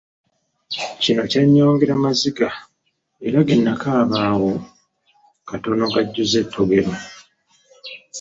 Kino kyannyongera maziga era ge nakaaba awo katono gajjuze ettogero.